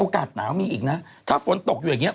อากาสหนาวมีอีกนะถ้าฝนตกอยู่อย่างนี้